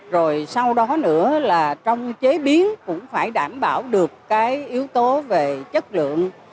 rồi sau đó nữa là trong chế biến cũng phải đảm bảo được cái yếu tố về chất lượng